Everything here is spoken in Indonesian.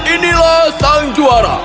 inilah sang juara